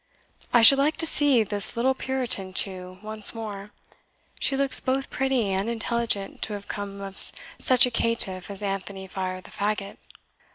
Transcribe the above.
I should like to see this little Puritan, too, once more. She looks both pretty and intelligent to have come of such a caitiff as Anthony Fire the Fagot."